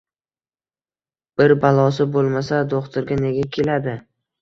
Bir balosi bo‘lmasa, do‘xtirga nega keladi?